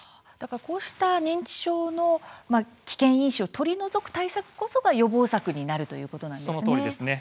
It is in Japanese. こうした認知症の危険因子を取り除く対策こそが予防策になるというわけですね。